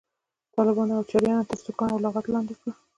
طالبانو او چړیانو تر سوکانو او لغتو لاندې کړ.